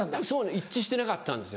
一致してなかったんですよ。